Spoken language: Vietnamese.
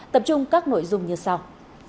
tập trung các nội dung như sau